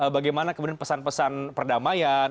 bagaimana kemudian pesan pesan perdamaian